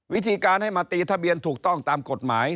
วิธีการให้มาตีทะเบียนถูกต้องตามกฎหมาย